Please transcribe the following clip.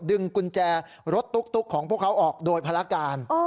กุญแจรถตุ๊กของพวกเขาออกโดยภารการ